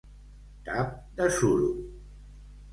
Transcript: Tap de suro.